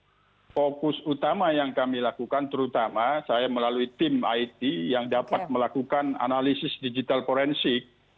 nah fokus utama yang kami lakukan terutama saya melalui tim it yang dapat melakukan analisis digital forensik